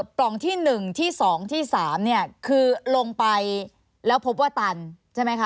ปล่องที่๑ที่๒ที่๓เนี่ยคือลงไปแล้วพบว่าตันใช่ไหมคะ